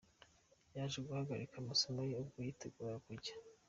Yaje guhagarika amasomo ye ubwo yiteguraga kujya.